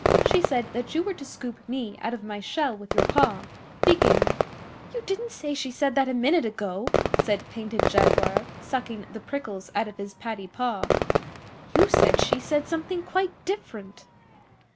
She said that you were to scoop me out of my shell with your paw. Begin.' 'You didn't say she said that a minute ago, said Painted Jaguar, sucking the prickles out of his paddy paw. 'You said she said something quite different.